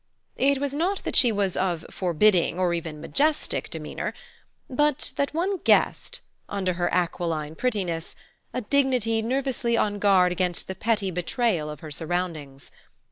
It was not that she was of forbidding, or even majestic, demeanor; but that one guessed, under her aquiline prettiness, a dignity nervously on guard against the petty betrayal of her surroundings.